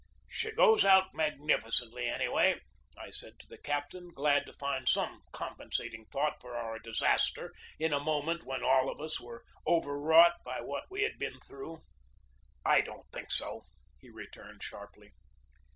"She goes out magnificently, anyway!" I said to the captain, glad to find some compensating thought for our disaster in a moment when all of us were overwrought by what we had been through. "I don't think so!" he returned sharply.